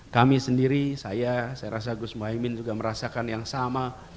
kami sendiri saya saya rasa gus muhaymin juga merasakan yang sama